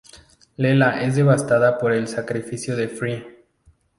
Leela es devastada por el sacrificio de Fry.